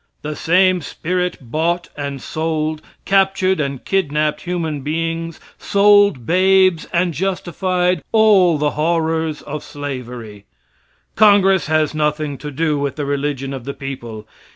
The same spirit bought and sold, captured and kidnapped human beings; sold babes, and justified all the horrors of slavery. Congress has nothing to do with the religion of the people.